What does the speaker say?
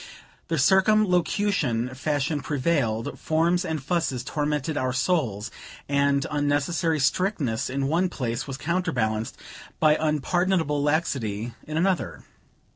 The circumlocution fashion prevailed, forms and fusses tormented our souls, and unnecessary strictness in one place was counterbalanced by unpardonable laxity in another.